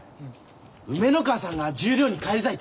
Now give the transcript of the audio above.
梅ノ川さんが十両に返り咲いて。